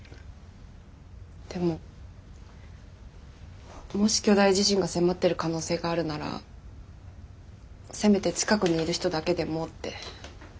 でももし巨大地震が迫ってる可能性があるならせめて近くにいる人だけでもって。